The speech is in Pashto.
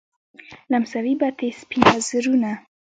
لمسوي بتې سپین وزرونه